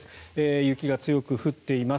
雪が強く降っています。